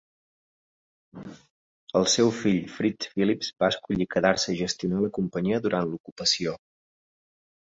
El seu fill Frits Philips va escollir quedar-se i gestionar la companyia durant l"ocupació.